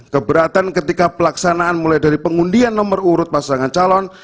keberatan ketika pelaksanaan mulai dari pengundian nomor urut pasangan calon